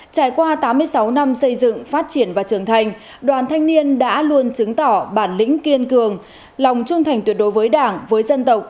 trải qua tám mươi sáu năm xây dựng phát triển và trưởng thành đoàn thanh niên đã luôn chứng tỏ bản lĩnh kiên cường lòng trung thành tuyệt đối với đảng với dân tộc